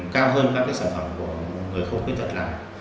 cao hơn các cái sản phẩm của người không khuyết tật làm